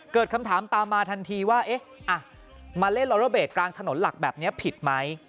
เกิดคำถามตามมาทันทีว่ามาเล่นลอโรเบสกลางถนนหลักแบบนี้ผิดไหม